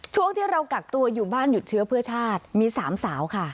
ช่วงที่เรากักตัวอยู่บ้านหยุดเชื้อเพื่อชาติมี๓สาวค่ะ